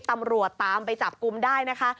ตำรวจตามไปจับกลุ่มได้นะคะ